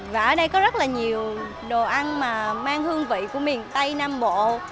và ở đây có rất là nhiều đồ ăn mà mang hương vị của miền tây nam bộ